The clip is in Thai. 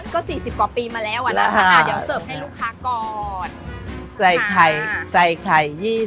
ก็๔๐กว่าปีมาแล้วอะนะเดี๋ยวเสิร์ฟให้ลูกค้าก่อน